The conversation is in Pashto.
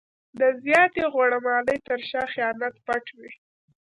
د زیاتې غوړه مالۍ تر شا خیانت پټ وي.